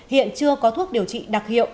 hiện chưa có thuốc điều trị đặc hiệu